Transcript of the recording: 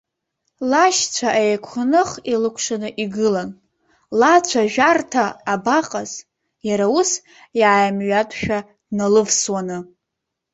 Лашьцәа еиқәных илыкәшаны игылан, лацәажәарҭа абаҟаз, иара ус, иааимҩатәшәа дналывсуаны.